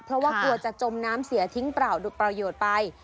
เพราะว่ากลัวจะจมน้ำเสียทิ้งเปล่าดูประโยชน์ไป